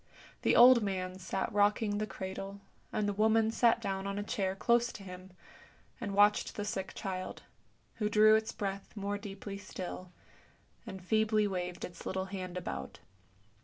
The old man sat rocking the cradle, and the woman sat down on a chair close to him and watched the sick child, who drew its breath more deeply still, and feebly waved its little hand about.